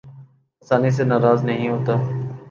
آسانی سے ناراض نہیں ہوتا